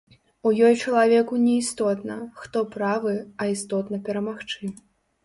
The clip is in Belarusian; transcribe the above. У ёй чалавеку не істотна, хто правы, а істотна перамагчы.